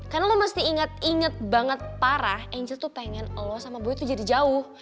karena lo mesti inget inget banget parah angel tuh pengen lo sama boy tuh jadi jauh